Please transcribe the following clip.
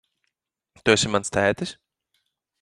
Tu esi mans tētis?